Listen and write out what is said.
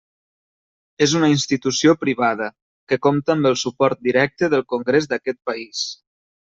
És una institució privada, que compta amb el suport directe del Congrés d'aquest país.